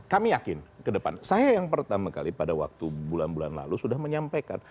dan kami yakin ke depan saya yang pertama kali pada waktu bulan bulan lalu sudah menyampaikan